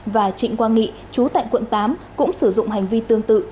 và trịnh quang nghị chú tại quận tám cũng sử dụng hành vi tương tự